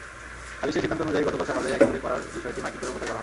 সালিসের সিদ্ধান্ত অনুযায়ী গতকাল সকালে একঘরে করার বিষয়টি মাইকিং করে প্রচার করা হয়।